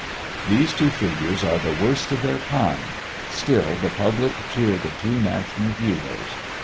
These two figures are the worst of their kind; still the public cheer the two national heroes.